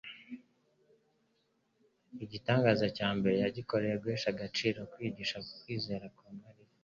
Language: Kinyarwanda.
Igitangaza cya mbere yagikoreye guhesha agaciro kwizera kwa Mariya,